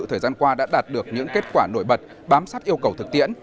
thời gian qua đã đạt được những kết quả nổi bật bám sát yêu cầu thực tiễn